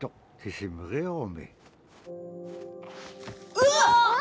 うわ！